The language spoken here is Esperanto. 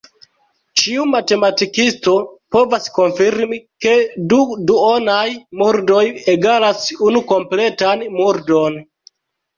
Ĉiu matematikisto povas konfirmi ke du duonaj murdoj egalas unu kompletan murdon.